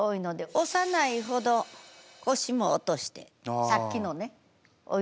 幼いほど腰も落としてさっきのねおい